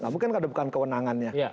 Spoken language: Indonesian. mungkin karena bukan kewenangannya